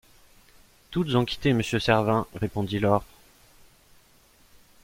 Toutes ont quitté monsieur Servin, répondit Laure.